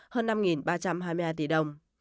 hơn năm ba trăm hai mươi hai tỷ đồng